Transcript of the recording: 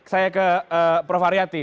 saya ke prof aryati